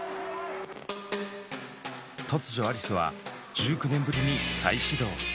突如アリスは１９年ぶりに再始動